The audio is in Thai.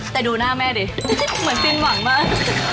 แต่ดูหน้าแม่ดิเหมือนฟินหวังมาก